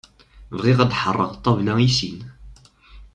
Bɣiɣ ad ḥerreɣ ṭabla i sin.